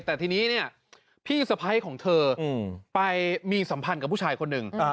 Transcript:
แต่ทีนี้เนี่ยพี่สะพ้ายของเธอไปมีสัมพันธ์กับผู้ชายคนหนึ่ง